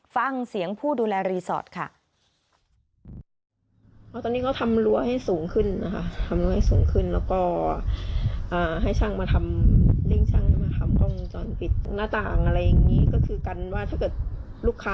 ฟังเสียงผู้ดูแลรีสอร์ทค่ะ